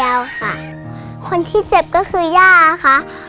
ย่าที่เจ็บก็คือย่าค่ะ